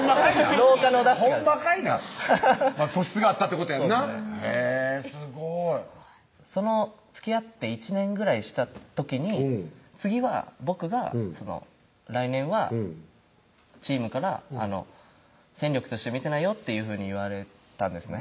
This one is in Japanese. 廊下のダッシュがほんまかいな素質があったってことやんなへぇすごいすごいそのつきあって１年ぐらいした時に次は僕が来年はチームから戦力として見てないよっていうふうに言われたんですね